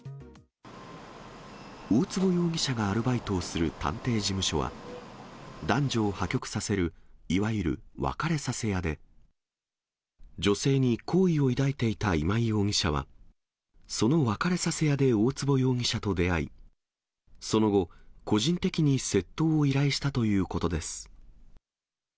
大坪容疑者がアルバイトをする探偵事務所は、男女を破局させる、いわゆる別れさせ屋で、女性に好意を抱いていた今井容疑者は、その別れさせ屋で大坪容疑者と出会い、その後、個人的に窃盗を依頼したということです。